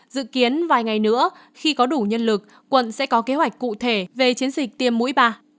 dự kiến vài ngày nữa khi có đủ nhân lực quận sẽ có kế hoạch cụ thể về chiến dịch tiêm mũi ba